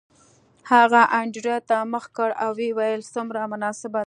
هغه انډریو ته مخ کړ او ویې ویل څومره مناسبه ده